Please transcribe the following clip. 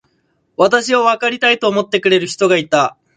私をわかりたいと思ってくれる人がいた。